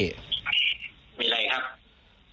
มีอะไรครับ